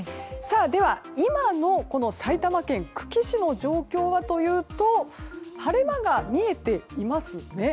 では今の埼玉県久喜市の状況はというと晴れ間が見えていますね。